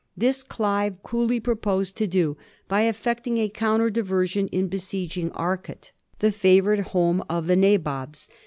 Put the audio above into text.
This Clive coolly proposed to do by effecting a counter diversion in besieging Arcot, the favored home of the Nabobs.